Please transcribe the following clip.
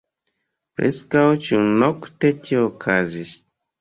Preskaŭ ĉiunokte tio okazis.